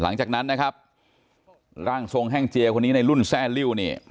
หลังจากนั้นนะครับร่างทรงแห้งเจียคนนี้ในรุ่นแซ่ลิ้วเนี่ย